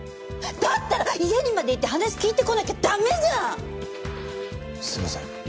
だったら家にまで行って話聞いてこなきゃ駄目じゃん！！